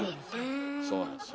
そうなんですよ。